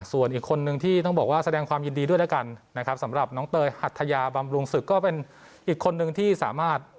ส่วนอีกคนนึงที่ต้องบอกว่าแสดงความยินดีด้วยแล้วกันนะครับสำหรับน้องเตยหัทยาบำรุงศึกก็เป็นอีกคนนึงที่สามารถ